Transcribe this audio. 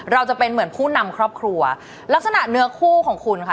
จะเป็นเหมือนผู้นำครอบครัวลักษณะเนื้อคู่ของคุณค่ะ